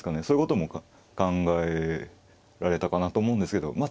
そういうことも考えられたかなと思うんですけど。